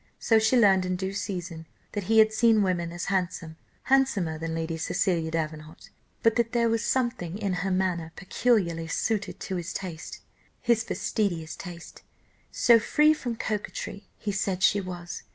So she learned in due season that he had seen women as handsome, handsomer than Lady Cecilia Davenant; but that there was something in her manner peculiarly suited to his taste his fastidious taste! so free from coquetry, he said she was.